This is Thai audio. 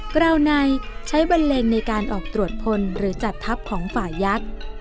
กราวในใช้บันเลงในการออกตรวจพลหรือจัดทัพของฝ่ายักษ์